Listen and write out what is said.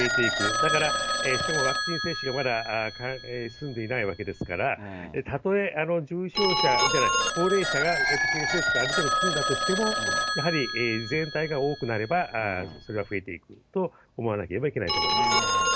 だから、ワクチン接種がまだ済んでいないわけですから、たとえ高齢者がワクチン接種がある程度進んだとしても、やはり全体が多くなれば、それは増えていくというふうに思わなければいけないと思います。